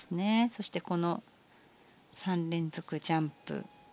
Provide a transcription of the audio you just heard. そして、この３連続ジャンプ。